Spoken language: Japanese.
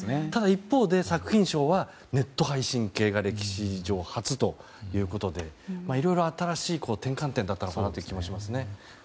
ただ、一方で作品賞はネット配信系が歴史上初ということでいろいろ新しい転換点だったのかなという気がします。